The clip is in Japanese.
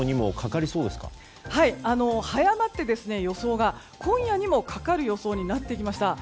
予想が早まって今夜にもかかる予想になってきました。